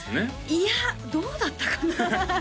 いやどうだったかな？